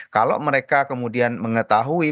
kalau mereka kemudian mengetahui